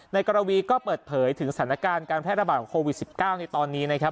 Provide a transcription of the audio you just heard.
กรวีก็เปิดเผยถึงสถานการณ์การแพร่ระบาดของโควิด๑๙ในตอนนี้นะครับ